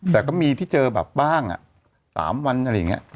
แต่ก็มีที่เจอแบบบ้าง๓วันอะไรอย่างนี้